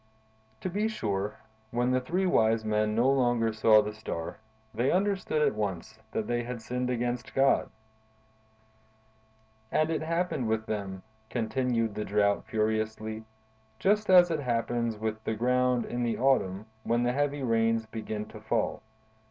"To be sure, when the three wise men no longer saw the Star, they understood at once that they had sinned against God. "And it happened with them," continued the Drought furiously, "just as it happens with the ground in the autumn, when the heavy rains begin to fall.